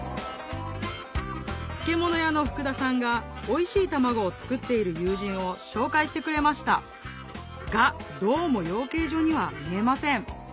漬物屋の福田さんがおいしい卵を作っている友人を紹介してくれましたがどうも養鶏場には見えません